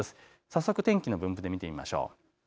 早速天気の分布で見てみましょう。